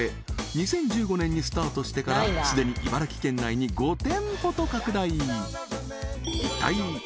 ２０１５年にスタートしてからすでに茨城県内に５店舗と拡大